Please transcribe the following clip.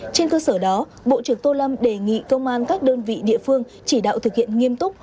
trên cơ sở đó bộ trưởng tô lâm đề nghị công an các đơn vị địa phương chỉ đạo thực hiện nghiêm túc